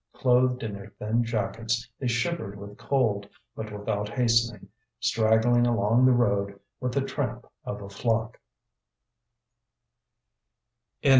Clothed in their thin jackets they shivered with cold, but without hastening, straggling along the road with the tramp of a flock.